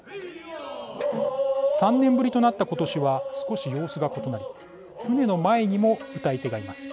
３年ぶりとなった今年は少し様子が異なり船の前にも謡い手がいます。